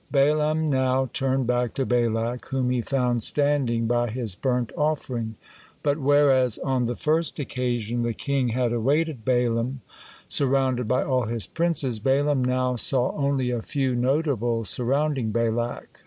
Balaam now turned back to Balak, whom he found standing by his burnt offering. But whereas on the first occasion the king had awaited Balaam, surrounded by all his princes, Balaam now saw only a few notables surrounding Balak.